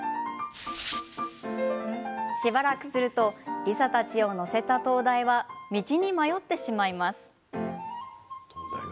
しばらくするとリサたちを乗せた灯台は道に迷ってしまいます。